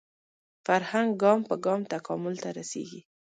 فرهنګ ګام په ګام تکامل ته رسېږي